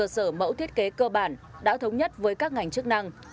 sở mẫu thiết kế cơ bản đã thống nhất với các ngành chức năng